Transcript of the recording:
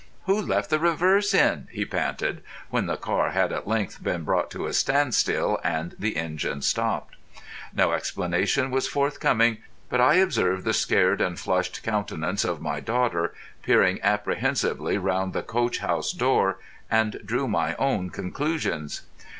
"Who left the reverse in?" he panted, when the car had at length been brought to a standstill and the engine stopped. No explanation was forthcoming, but I observed the scared and flushed countenance of my daughter peering apprehensively round the coach house door, and drew my own conclusions.